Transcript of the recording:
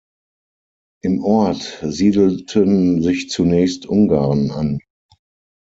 Im Ort siedelten sich zunächst Ungarn an.